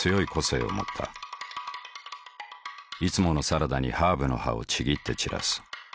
いつものサラダにハーブの葉をちぎって散らす。